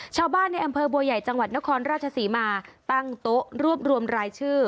ชาวบ้านในอำเภอบัวใหญ่จังหวัดนครราชศรีมาตั้งโต๊ะรวบรวมรายชื่อ